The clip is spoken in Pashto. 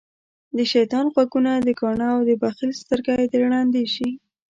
دشيطان غوږونه دکاڼه او دبخیل سترګی د ړندی شی